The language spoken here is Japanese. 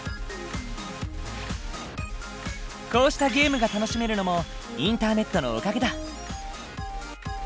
こうしたゲームが楽しめるのもインターネットのおかげだ。